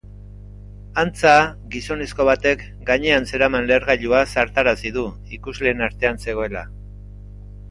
Antza, gizonezko batek gainean zeraman lehergailua zartarazi du, ikusleen artean zegoela.